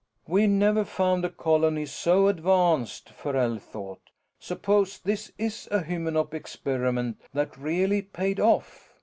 We never found a colony so advanced, Farrell thought. Suppose this is a Hymenop experiment that really paid off?